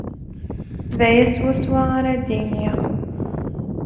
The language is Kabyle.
D aya swaswa ara d-iniɣ.